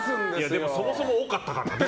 でも、そもそも多かったからね。